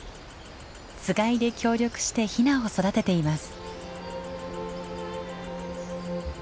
つがいで協力してヒナを育てています。